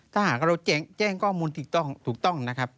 ถ้าหากเราแจ้งก้อมูลถูกต้อง